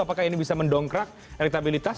apakah ini bisa mendongkrak elektabilitas